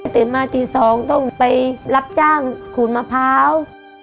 เต็ดมาที่สองต้องไปรับจ้างขุนมะพร้าว